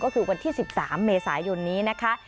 ก็คือวันที่๑๓เมษายนนี้นะคะ